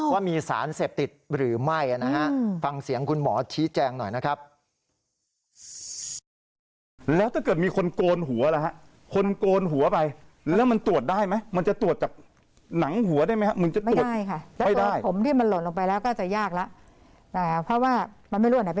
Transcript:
ว่ามีสารเสพติดหรือไม่นะฮะฟังเสียงคุณหมอชี้แจงหน่อยนะครับ